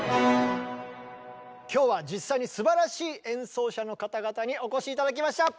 今日は実際にすばらしい演奏者の方々にお越し頂きました。